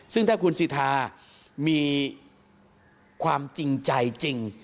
ซึ่งถ้าคุณสิทธามีความจริงใจจริง